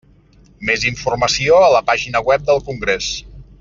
Més informació a la pàgina web del congrés.